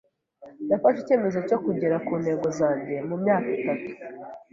Nafashe icyemezo cyo kugera kuntego zanjye mumyaka itatu.